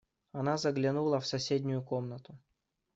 Она заглянула в соседнюю комнату.